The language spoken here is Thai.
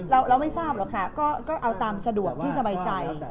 เราไม่ทราบหรอกค่ะก็เอาตามสะดวกที่สบายใจ